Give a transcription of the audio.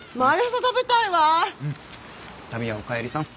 旅屋おかえりさん。